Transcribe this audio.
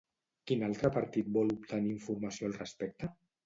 Quin altre partit vol obtenir informació al respecte?